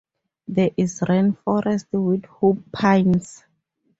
There is Rainforest with Hoop Pines.